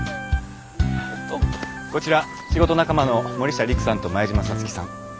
こちら仕事仲間の森下陸さんと前島皐月さん。